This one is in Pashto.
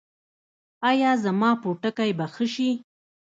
ایا زما پوټکی به ښه شي؟